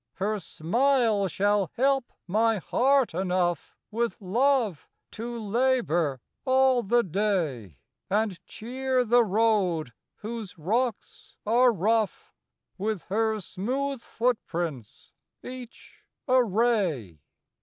Her smile shall help my heart enough With love to labor all the day, And cheer the road, whose rocks are rough, With her smooth footprints, each a ray.